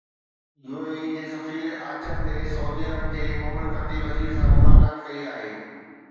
U A E جي سفير آچر تي سعودي عرب جي مملڪتي وزير سان ملاقات ڪئي آهي